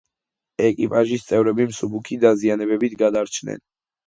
ეკიპაჟის წევრები მსუბუქი დაზიანებებით გადარჩნენ.